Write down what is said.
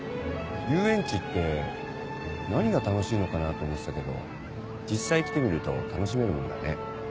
遊園地って何が楽しいのかなと思ってたけど実際来てみると楽しめるもんだね。